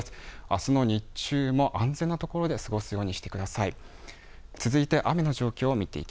あすの日中も安全なところで過ごすようにしてください。